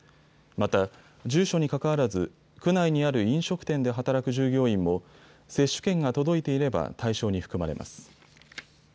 また住所にかかわらず区内にある飲食店で働く従業員も接種券が届いていれば対象に含まれます。